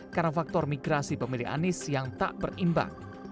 karena faktor migrasi pemilih anis yang tak berimbang